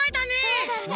そうだね！